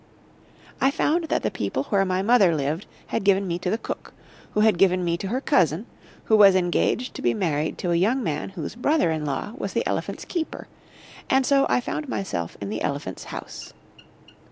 I found that the people where my mother lived had given me to the cook, who had given me to her cousin, who was engaged to be married to a young man whose brother in law was the elephant's keeper, and so I found myself in the elephant's house.